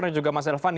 dan juga mas revan